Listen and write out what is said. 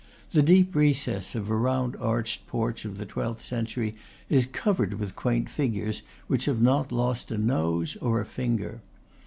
The deep recess of a round arched porch of the twelfth century is covered with quaint figures, which have not lost a nose or a finger.